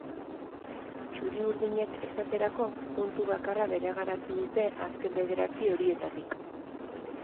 Txuri-urdinek, esaterako, puntu bakarra bereganatu dute azken bederatzi horietatik.